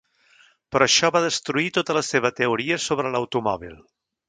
Però això va destruir tota la seva teoria sobre l'automòbil.